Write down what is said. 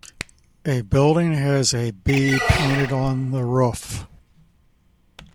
A building has a bee painted on the roof.